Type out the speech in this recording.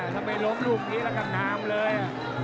ทำเป็นล้มลุกนี้แล้วกับนามเลย